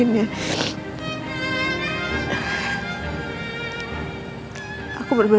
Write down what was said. aku butuh waktu untuk sendiri